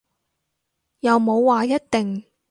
又冇話一定